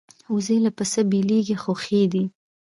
وزې له پسه بېلېږي خو ښې دي